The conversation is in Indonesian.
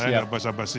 saya ada basa basi